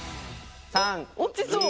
落ちそう！